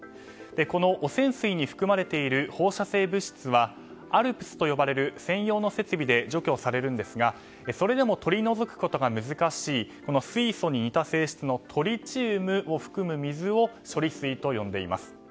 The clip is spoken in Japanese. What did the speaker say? この汚染水に含まれている放射性物質はＡＬＰＳと呼ばれる専用の設備で除去されますがそれでも取り除くことが難しい水素に似た性質のトリチウムを含んだ水を処理水と呼んでいます。